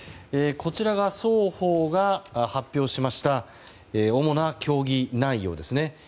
こちらが双方が発表しました主な協議内容です。